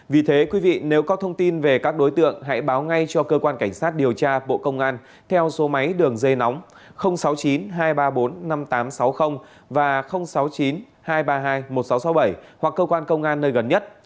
vì thế quý vị nếu có thông tin về các đối tượng hãy báo ngay cho cơ quan cảnh sát điều tra bộ công an theo số máy đường dây nóng sáu mươi chín hai trăm ba mươi bốn năm nghìn tám trăm sáu mươi và sáu mươi chín hai trăm ba mươi hai một nghìn sáu trăm sáu mươi bảy hoặc cơ quan công an nơi gần nhất